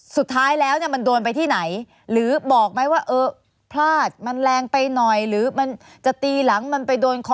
สุดท้ายแล้วเนี่ยมันโดนไปที่ไหนหรือบอกไหมว่าเออพลาดมันแรงไปหน่อยหรือมันจะตีหลังมันไปโดนคอ